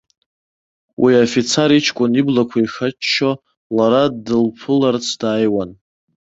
Уи афицар иҷкәын иблақәа ихаччо лара дылԥыларц дааиуеит.